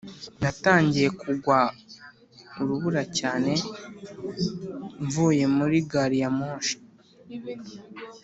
natangiye kugwa urubura cyane mvuye muri gari ya moshi.